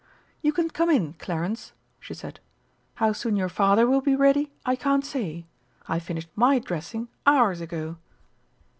"You can come in, Clarence," she said. "How soon your Father will be ready, I can't say. I finished my dressing hours ago."